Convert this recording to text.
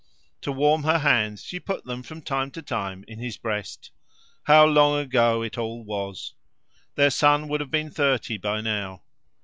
To warm her hands she put them from time to time in his breast. How long ago it all was! Their son would have been thirty by now.